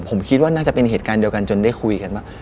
ผมคิดว่าน่าจะเป็นเหตุการณ์เดียวกันจนได้คุยกันว่า